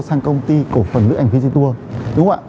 sang công ty cổ phần lữ hành fiditur